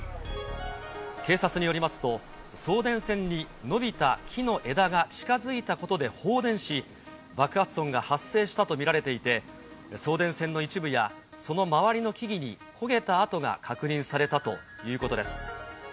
警察によりますと、送電線に伸びた木の枝が近づいたことで放電し、爆発音が発生したと見られていて、送電線の一部や、その周りの木々に焦げた跡が確認されたということです。